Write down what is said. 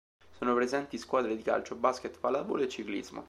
Sono presenti squadre di calcio, basket, pallavolo e ciclismo.